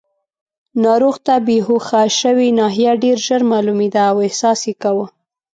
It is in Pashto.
ناروغ ته بېهوښه شوې ناحیه ډېر ژر معلومېده او احساس یې کاوه.